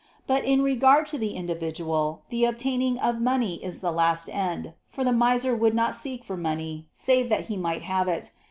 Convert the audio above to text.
But in regard to the individual, the obtaining of money is the last end; for the miser would not seek for money, save that he might have it.